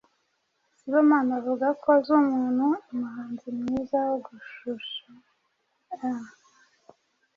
Sibomana avuga ko azi umuntu umuhanzi mwiza wo gushushaa.